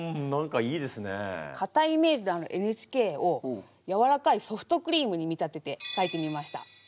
かたいイメージのある「ＮＨＫ」をやわらかいソフトクリームに見立てて書いてみました。